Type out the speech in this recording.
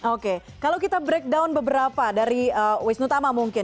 oke kalau kita breakdown beberapa dari wisnu tama mungkin